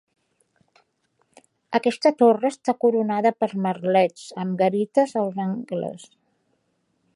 Aquesta torre està coronada per merlets, amb garites als angles.